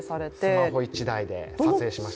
スマホ１台で、撮影しました。